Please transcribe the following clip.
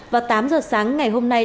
vào tám giờ sáng ngày hôm nay